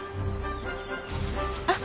あっ。